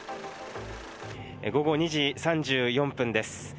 午後２時３４分です。